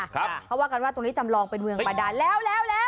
เพราะว่าการว่าตรงนี้จำลองเป็นเมืองประดานแล้ว